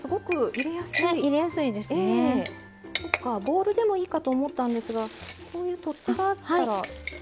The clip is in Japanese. ボウルでもいいかと思ったんですがこういう取っ手があったら使いやすいですね。